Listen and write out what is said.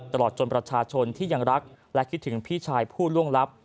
ตลอดจนประชาชนที่ยังรักและคิดถึงพี่ชายผู้ล่วงลับ